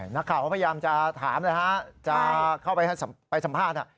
นักข่าวก็พยายามจะถามเลยฮะจะเข้าไปสัมภาษณ์